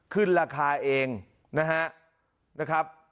ขึ้นราคาเองนะครับ